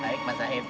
baik mas ahim